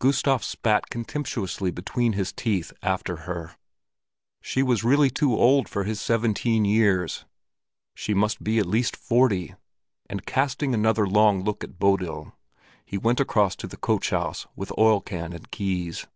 Gustav spat contemptuously between his teeth after her. She was really too old for his seventeen years; she must be at least forty; and casting another long look at Bodil, he went across to the coachhouse with oil can and keys.